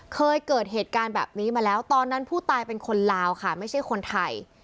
เคยเกิดเหตุการณ์แบบนี้มาแล้วตอนนั้นผู้ตายเป็นคนลาวค่ะไม่ใช่คนไทย